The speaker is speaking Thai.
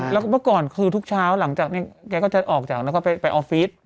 แล้วก็เมื่อก่อนคือทุกเช้าหลังจากนี้แกก็จะออกจากแล้วก็ไปออฟฟิศ